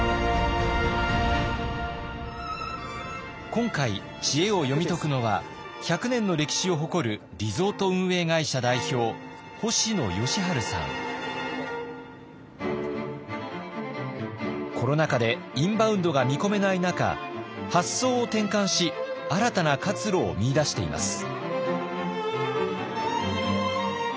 今回知恵を読み解くのは１００年の歴史を誇るコロナ禍でインバウンドが見込めない中発想を転換し新たな活路を見いだしています。